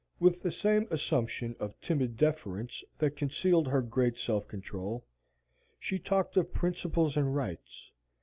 With the same assumption of timid deference that concealed her great self control, she talked of principles and rights.